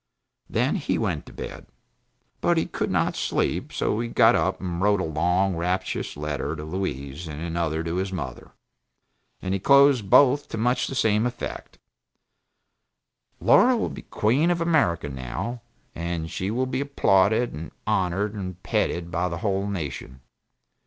Then he went to bed. But he could not sleep; so he got up and wrote a long, rapturous letter to Louise, and another to his mother. And he closed both to much the same effect: "Laura will be queen of America, now, and she will be applauded, and honored and petted by the whole nation.